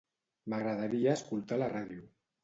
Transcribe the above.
M'agradaria escoltar la ràdio.